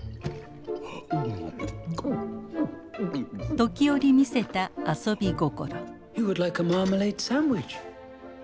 時折見せた遊び心。